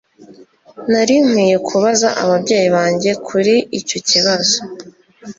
nari nkwiye kubaza ababyeyi banjye kuri icyo kibazo